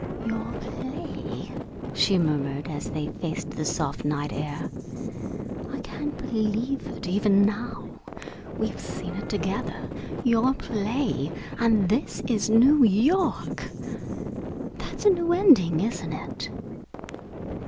"Your play!" she murmured, as they faced the soft night air. "I can't believe it, even now. We've seen it together your play and this is New York! That's a new ending, isn't it?"